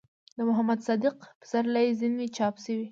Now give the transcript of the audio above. ،د محمد صديق پسرلي ځينې چاپ شوي